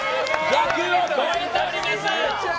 １００を超えております！